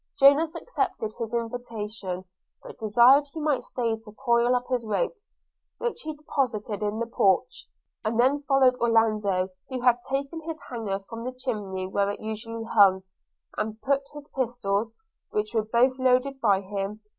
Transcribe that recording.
Jonas accepted his invitation, but desired he might stay to coil up his ropes, which he deposited in the porch, and then followed Orlando, who had taken his hanger from the chimney where it usually hung, and put his pistols, which were both loaded by him.